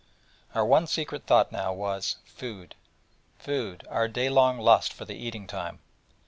Our one secret thought now was food, food our day long lust for the eating time.